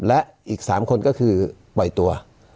และอีก๓คนก็คือปล่อยตัว